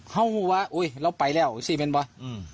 ห้องหูวะอุ๊ยเราไปแล้วซีเบนบ้า